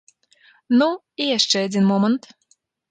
Ну, і яшчэ адзін момант.